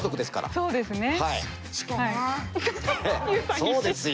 そうですよ